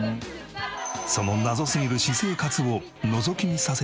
その謎すぎる私生活をのぞき見させて頂いた。